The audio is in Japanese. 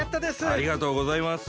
ありがとうございます。